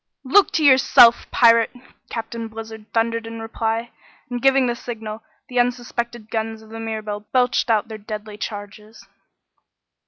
"Look to yourself, pirate!" Captain Blizzard thundered in reply, and giving the signal, the unsuspected guns of the Mirabelle belched out their deadly charges.